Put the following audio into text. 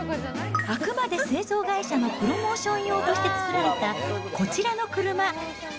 あくまで製造会社のプロモーション用として作られたこちらの車。